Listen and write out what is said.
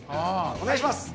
お願いします。